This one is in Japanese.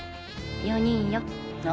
４人よ。